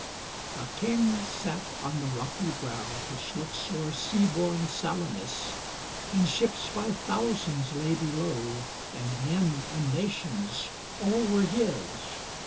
A king sat on the rocky brow Which looks o'er sea born Salamis; And ships by thousands lay below, And men in nations; all were his!